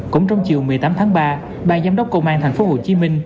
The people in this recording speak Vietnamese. cũng trong chiều một mươi tám tháng ba ban giám đốc công an tp hcm